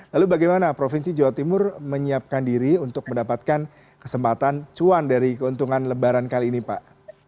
lalu bagaimana provinsi jawa timur menyiapkan diri untuk mendapatkan kesempatan cuan dari keuntungan lebaran kali ini pak